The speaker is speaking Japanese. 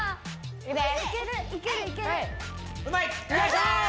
うまい！